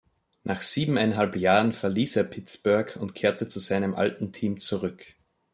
Nach siebeneinhalb Jahren verließ er Pittsburgh und kehrte zu seinem alten Team zurück.